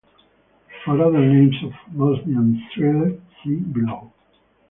For other names of Bosnian Cyrillic, see below.